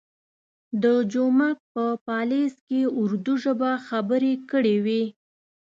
د جومک په پالیز کې اردو ژبه خبرې کړې وې.